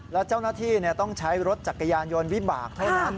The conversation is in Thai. แล้วเจ้าหน้าที่ต้องใช้รถจักรยานยนต์วิบากเท่านั้น